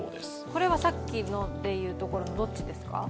これはさっきのでいうところのどっちですか？